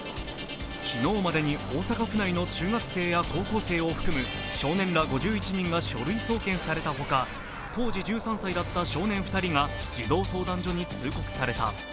昨日までに大阪府内の中学生や高校生を含む少年ら５１人が書類送検されたほか、当時１３歳だった少年２人が児童相談所に通告された。